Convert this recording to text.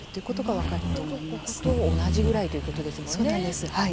なるほどここと同じぐらいということですもんね。